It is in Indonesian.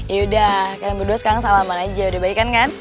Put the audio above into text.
yaudah kalian berdua sekarang salaman aja udah baik kan kan